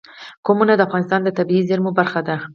قومونه د افغانستان د طبیعي زیرمو برخه ده.